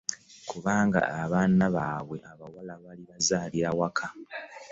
Kubanga abaana baabwe abawala balibazalira waka.